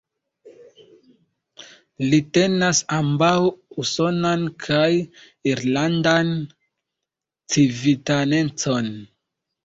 Li tenas ambaŭ usonan kaj irlandan civitanecon.